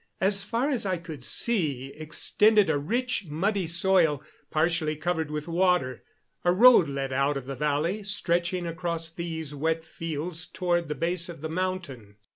As far as I could see extended a rich muddy soil partially covered with water. A road led out of the valley, stretching across these wet fields toward the base of the mountain.